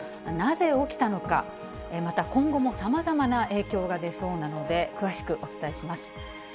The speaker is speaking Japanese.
なぜ起きたのか、また、今後もさまざまな影響が出そうなので、詳しくお伝えします。